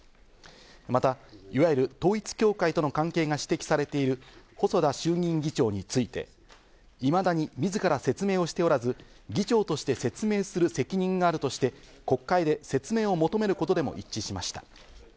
また、いわゆる統一教会との関係が指摘されている細田衆議院議長について、いまだに自ら説明をしておらず、議長として説明する責任があるとして国会で説明を求めることでも一致しました。